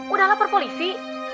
udah lapar polisi